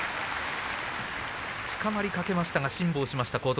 つかまりかけましたが辛抱しました